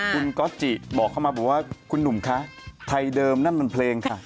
คุณก๊อตจิบอกเข้ามาบอกว่าคุณหนุ่มคะไทยเดิมนั่นมันเพลงค่ะ